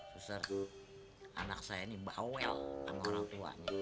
suster anak saya ini bawel sama orang tuanya